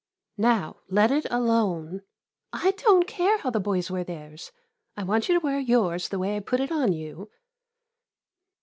Now, let it alone. I don't care how the boys wear theirs — I want you to wear yours the way I put it on you.